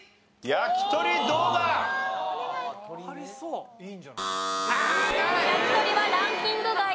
焼き鳥はランキング外です。